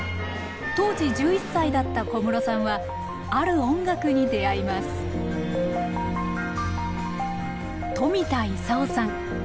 当時１１歳だった小室さんはある音楽に出会います冨田勲さん。